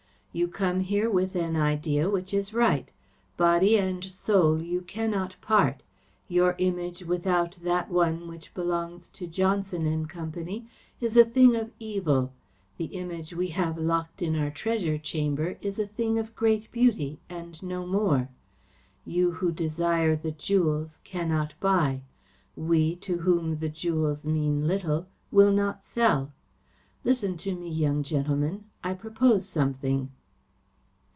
You come here with an idea which is right. Body and Soul you cannot part. Your Image without that one which belongs to Johnson and Company is a thing of evil. The Image we have locked in our treasure chamber is a thing of great beauty, and no more. You who desire the jewels cannot buy. We, to whom the jewels mean little, will not sell. Listen to me, young gentleman. I propose something."